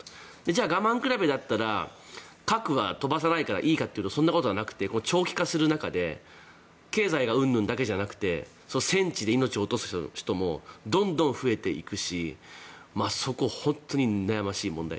じゃあ我慢比べだったら核は飛ばさないからいいかっていうとそんなことはなくて長期化する中で経済がうんぬんだけじゃなくて戦地で命を落とす人もどんどん増えていくしそこは本当に悩ましい問題。